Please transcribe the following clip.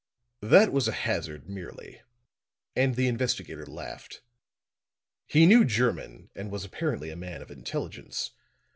"That was a hazard, merely," and the investigator laughed. "He knew German and was apparently a man of intelligence.